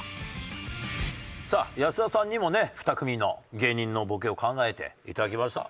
さあ安田さんにもね２組の芸人のボケを考えていただきました。